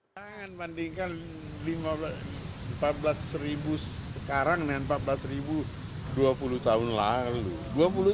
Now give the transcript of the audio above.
jangan bandingkan empat belas sekarang dengan empat belas dua puluh tahun lalu